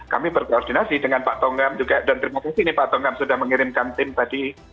kami berkoordinasi dengan pak tongam juga dan terima kasih nih pak tongam sudah mengirimkan tim tadi